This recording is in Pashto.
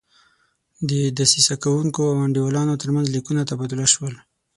د دسیسه کوونکو او انډیوالانو ترمنځ لیکونه تبادله شول.